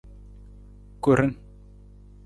Koran.